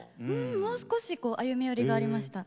もう少し歩み寄りがありました。